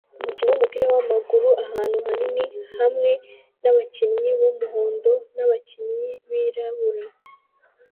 Umukino wumupira wamaguru ahantu hanini hamwe nabakinnyi b'umuhondo nabakinnyi birabura